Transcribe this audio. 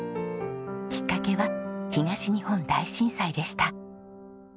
きっかけは東日本大震災でした。